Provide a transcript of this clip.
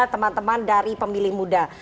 teman teman dari pemilih muda